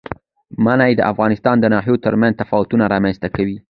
منی د افغانستان د ناحیو ترمنځ تفاوتونه رامنځ ته کوي.